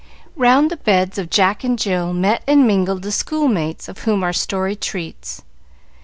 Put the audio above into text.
Round the beds of Jack and Jill met and mingled the schoolmates of whom our story treats.